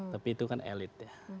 tapi itu kan elit ya